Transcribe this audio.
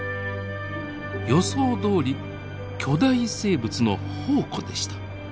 予想どおり巨大生物の宝庫でした。